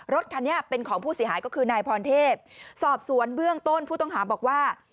รถคันนี้เป็นของผู้เสียหายก็คือนายพรเทพสอบสวนเบื้องต้นผู้ต้องหาบอกว่า